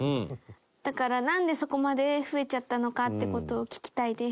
だからなんでそこまで増えちゃったのかって事を聞きたいです。